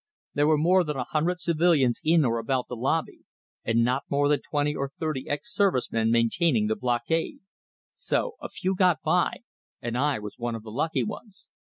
There were more than a hundred civilians in or about the lobby, and not more than twenty or thirty ex service men maintaining the blockade; so a few got by, and I was one of the lucky ones.